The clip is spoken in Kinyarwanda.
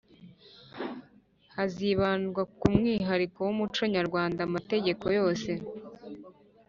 hazibandwa ku mwihariko w umuco nyarwanda Amategeko yose